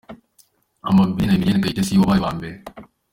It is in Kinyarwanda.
Amabilis na Emilienne Kayitesi wabaye uwa mbere.